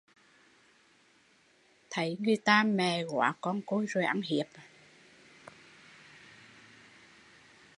Thấy người ta mẹ góa con côi rồi hay ăn hiếp